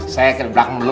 saya kirblak dulu